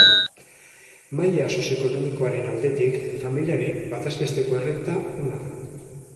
Maila sozioekonomikoaren aldetik, familiaren batez besteko errenta ona da.